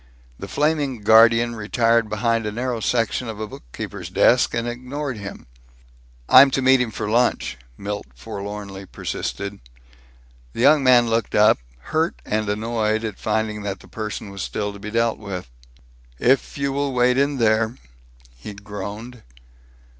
The flaming guardian retired behind a narrow section of a bookkeeper's desk and ignored him. "I'm to meet him for lunch," Milt forlornly persisted. The young man looked up, hurt and annoyed at finding that the person was still to be dealt with. "If you will wait in there?" he groaned.